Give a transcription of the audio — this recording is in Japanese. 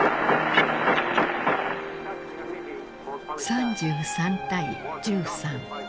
３３対１３。